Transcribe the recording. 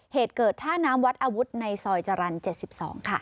เหตุเกิดท่าน้ำวัดอาวุธในซอยจรรย์๗๒ค่ะ